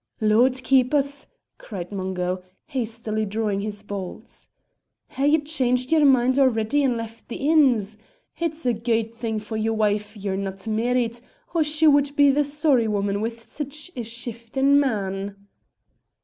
"Lord keep 's!" cried Mungo, hastily drawing his bolts. "Hae ye changed ye'r mind already and left the inns? It's a guid thing for your wife ye're no marrit, or she wad be the sorry woman wi' sic a shiftin' man."